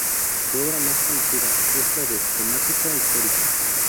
Su obra más conocida es la de temática histórica.